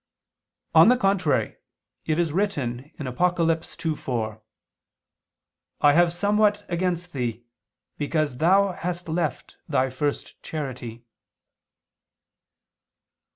On the contrary, It is written (Apoc. 2:4): "I have somewhat against thee, because thou hast left thy first charity."